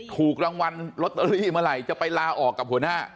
ถูกรางวัลลอตเตอรี่เมื่อไหร่จะไปลาออกกับหัวหน้า